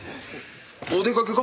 お出かけか？